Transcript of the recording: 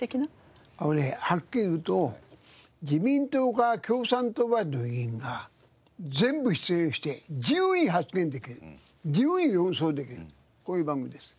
あのねはっきり言うと自民党から共産党までの議員が全部出演して自由に発言できる自由に論争できるこういう番組です。